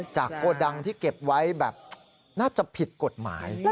โกดังที่เก็บไว้แบบน่าจะผิดกฎหมาย